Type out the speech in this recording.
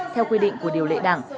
theo quy định của điều lệ đảng